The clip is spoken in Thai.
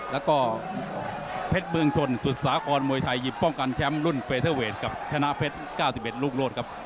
แล้วก็เพชรเมืองชนสุดสากรมวยไทยหยิบป้องกันแชมป์รุ่นเฟเทอร์เวทกับชนะเพชร๙๑ลูกโลศครับ